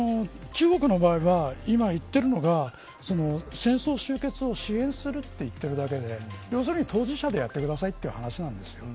中国の場合は今言っているのが戦争終結を支援すると言っているだけで要するに当事者でやってくださいという話です。